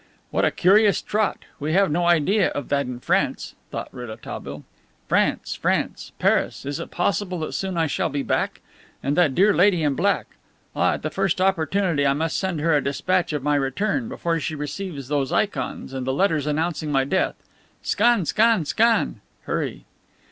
"What a curious trot! We have no idea of that in France," thought Rouletabille. "France! France! Paris! Is it possible that soon I shall be back! And that dear Lady in Black! Ah, at the first opportunity I must send her a dispatch of my return before she receives those ikons, and the letters announcing my death. Scan! Scan! Scan! (Hurry!)"